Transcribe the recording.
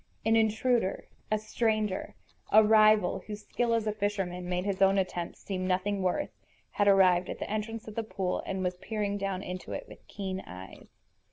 An intruder, a stranger, a rival whose skill as a fisherman made his own attempts seem nothing worth, had arrived at the entrance of the pool and was peering down into it with keen eyes.